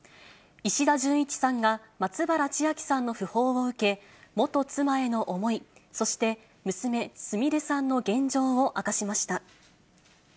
石田純一さんが、松原千明さんの訃報を受け、元妻への思い、そして娘、すみれさんの現状を明かしました。